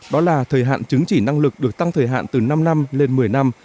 đó là thời hạn chứng chỉ năng lực được tăng thời hạn từ năm năm lên một mươi năm